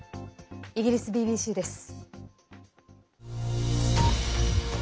イギリスＢＢＣです。